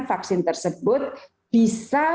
vaksin tersebut bisa